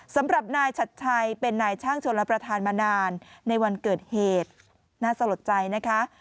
สำหรับนายชัดชัยเป็นนายช่างชนรับประทานมานานในวันเกิดเหตุน่าสลดใจนะคะ